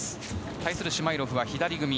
対するシュマイロフは左組み。